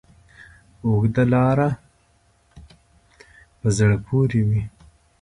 اوږده لاره په زړه پورې وي.